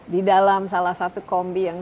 di dalam salah satu kombi yang